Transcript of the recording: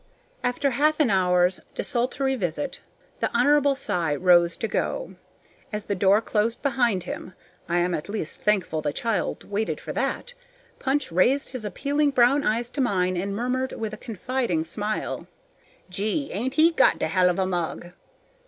After half an hour's desultory visit, the Hon. Cy rose to go. As the door closed behind him (I am at least thankful the child waited for that), Punch raised his appealing brown eyes to mine and murmured, with a confiding smile: "Gee! ain't he got de hell of a mug?"